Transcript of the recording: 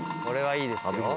これはいいですよ。